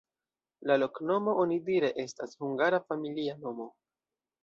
La loknomo onidire estas hungara familia nomo.